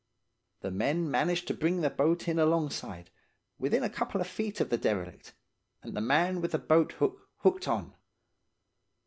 "The men managed to bring the boat in alongside, within a couple of feet of the derelict, and the man with the boat hook hooked on.